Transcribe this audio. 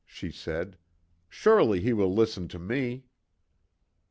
she said, "Surely he will listen to me."